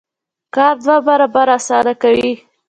کار دوه برابره اسانه کوي.